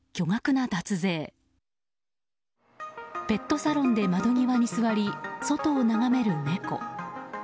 ペットサロンで窓際に座り外を眺める猫。